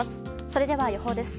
それでは予報です。